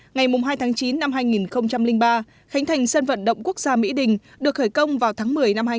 ngày hai chín hai nghìn ba khánh thành sân vận động quốc gia mỹ đình được khởi công vào tháng một mươi hai nghìn một